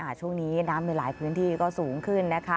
ช่วงนี้น้ำในหลายพื้นที่ก็สูงขึ้นนะคะ